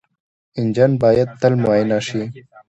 انجن باید تل معاینه شي.